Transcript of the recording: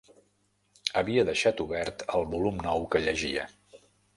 Havia deixat obert el volum nou que llegia